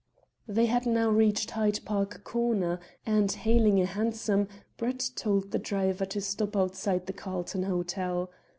They had now reached Hyde Park Corner, and, hailing a hansom, Brett told the driver to stop outside the Carlton Hotel.